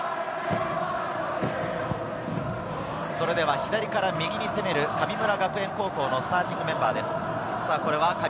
左から右に攻める神村学園高校のスターティングメンバーです。